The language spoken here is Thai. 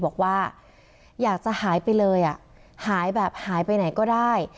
บอกว่าอยากจะหายไปเลยอ่ะหายแบบหายไปไหนก็ได้